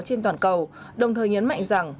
trên toàn cầu đồng thời nhấn mạnh rằng